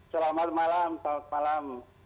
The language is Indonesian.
selamat malam pak purnomo